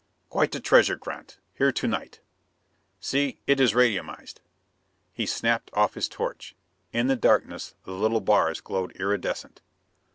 "Quite a treasure, Grant, here to night. See, it is radiumized." He snapped off his torch. In the darkness the little bars glowed irridescent.